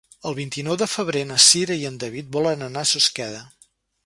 El vint-i-nou de febrer na Cira i en David volen anar a Susqueda.